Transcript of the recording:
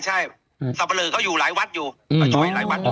สับประเดิศเขาอยู่หลายวัดอยู่